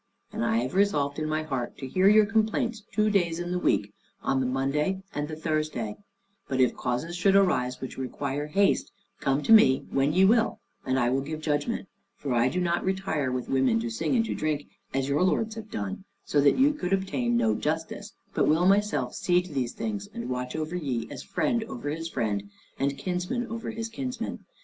And I have resolved in my heart to hear your complaints two days in the week, on the Monday and the Thursday; but if causes should arise which require haste, come to me when ye will and I will give judgment, for I do not retire with women to sing and to drink, as your lords have done, so that ye could obtain no justice, but will myself see to these things, and watch over ye as friend over his friend, and kinsman over his kinsman.